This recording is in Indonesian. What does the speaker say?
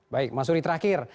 baik mas uri terakhir